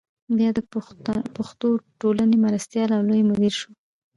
بیا د پښتو ټولنې مرستیال او لوی مدیر شو.